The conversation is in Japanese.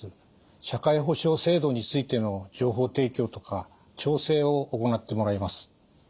社会保障制度についての情報提供とか調整を行ってもらいます。